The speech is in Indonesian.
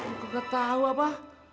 aku ketawa pak